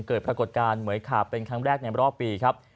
เกิดปรากฏการณ์เหมือยขาบเป็นครั้งแรกในรอบปีครับ